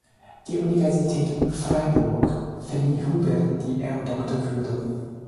Die Universität Fribourg verlieh Huber die Ehrendoktorwürde.